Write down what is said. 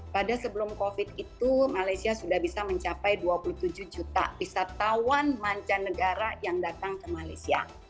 pada sebelum covid itu malaysia sudah bisa mencapai dua puluh tujuh juta wisatawan mancanegara yang datang ke malaysia